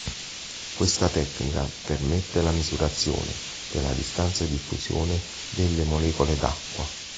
Questa tecnica permette la misurazione della distanza di diffusione delle molecole d'acqua.